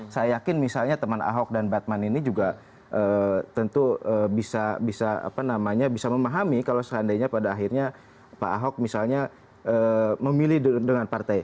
saya yakin misalnya teman ahok dan batman ini juga tentu bisa memahami kalau seandainya pada akhirnya pak ahok misalnya memilih dengan partai